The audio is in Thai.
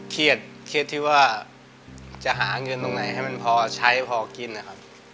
เครียดเครียดที่ว่าจะหาเงินตรงไหนให้มันพอใช้พอกินนะครับ